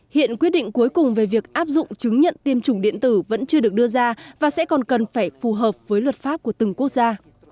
hiện quyết định cuối cùng về việc áp dụng chứng nhận tiêm chủng điện tử vẫn chưa được đưa ra và sẽ còn cần phải phù hợp với luật pháp của từng quốc gia